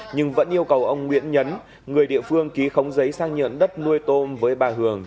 nhưng vẫn yêu cầu ông nguyễn nhấn người địa phương ký khống giấy sang nhận đất nuôi tôm với bà hường